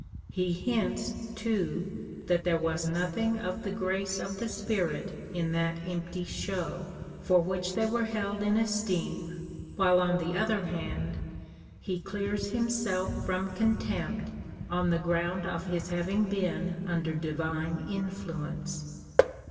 He hints, too, that there was nothing of the ^race of the Spirit in that empty show, for which they were held in esteem, while on the other hand he clears himself from contempt, on the ground of his having been under divine influence.